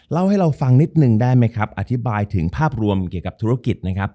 เล่าให้เราฟังนิดนึงได้ไหมครับอธิบายถึงภาพรวมเกี่ยวกับธุรกิจนะครับ